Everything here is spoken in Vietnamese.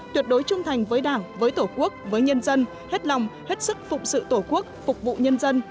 tuyệt đối trung thành với đảng với tổ quốc với nhân dân hết lòng hết sức phụng sự tổ quốc phục vụ nhân dân